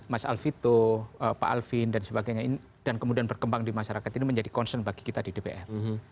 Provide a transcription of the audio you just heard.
mas alvito pak alvin dan sebagainya dan kemudian berkembang di masyarakat ini menjadi concern bagi kita di dpr